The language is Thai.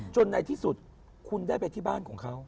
ในที่สุดคุณได้ไปที่บ้านของเขา